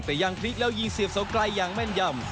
แต่ยังพลิกแล้วยิงเสียบเสาไกลอย่างแม่นยำ